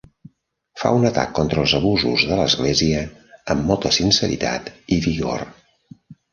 Fa un atac contra els abusos de l"església amb molta sinceritat i vigor.